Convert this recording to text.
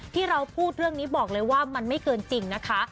ที่เราพูดเรื่องนี้บอกเลยว่ามันไม่เกินจริงนะคะ